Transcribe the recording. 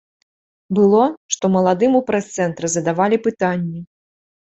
Было, што маладым у прэс-цэнтры задавалі пытанні.